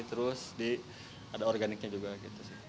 terus ada organiknya juga gitu sih